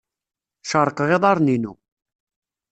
Cerrqeɣ iḍarren-inu.